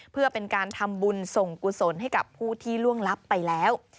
เพื่อเป็นการทำบุญส่งกุศลให้กับผู้ที่ล่วงลับไปแล้ว